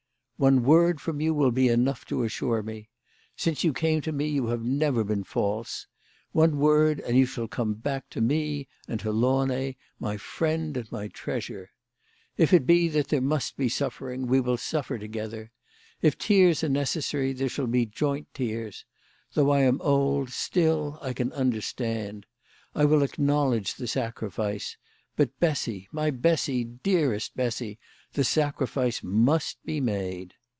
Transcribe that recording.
" One word from you will be enough to assure me. Since you came to me you have never been false. One word, and you shall come back to me and to Launay, my friend and my treasure ! If it be that there must be suffering, we will suffer together. If tears are necessary there shall be joint tears. Though I am old still I can understand. I will acknowledge the sacri fice. But, Bessy, my Bessy, dearest Bessy, the sacri fice must be made.